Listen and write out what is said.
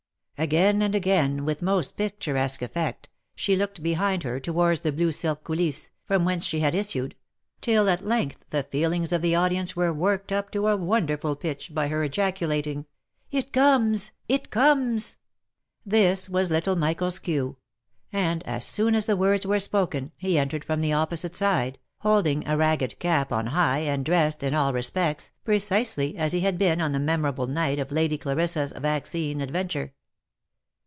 Again and again, with most picturesque effect, she looked behind her towards the blue silk coulisses, from whence she had issued, till, at length, the feel ings of the audience were worked up to a wonderful pitch, by her ejaculating —" It comes ! It comes !" This was little Michael's cue ; and, as soon as the words were spoken, h e entered from the opposite side, holding a ragged cap on 104 THE LIFE AND ADVENTURES high, and dressed, in all respects, precisely as he had been on the memorable night of Lady Clarissa's vaccine adventure.